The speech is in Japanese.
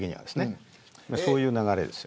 そういう流れです。